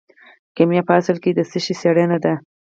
کیمیا په اصل کې د څه شي څیړنه ده.